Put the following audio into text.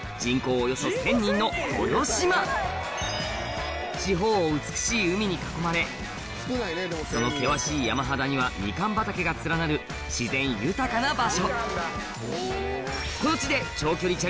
およそ１０００人の豊島四方を美しい海に囲まれその険しい山肌にはみかん畑が連なる自然豊かな場所